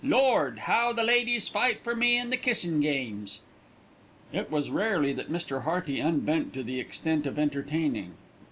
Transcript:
"Lord! how the ladies fight for me in the kissin' games!" It was rarely that Mr. Hearty unbent to the extent of entertaining.